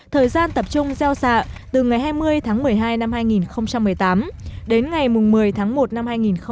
thời gian tập trung gieo xạ từ ngày hai mươi tháng một mươi hai năm hai nghìn một mươi tám đến ngày một mươi tháng một năm hai nghìn một mươi chín